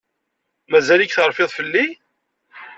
Mazal-ik terfiḍ fell-i?